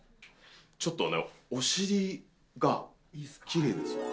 ちょっとねお尻がきれいですよ。